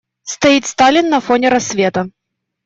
Стоит Сталин на фоне рассвета.